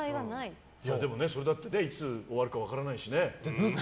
それだっていつ終わるか分からないしね。